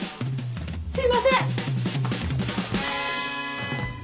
すいません！